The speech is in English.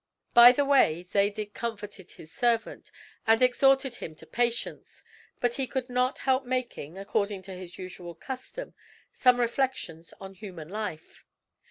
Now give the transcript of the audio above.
BY the way Zadig comforted his servant, and exhorted him to patience; but he could not help making, according to his usual custom, some reflections on human life.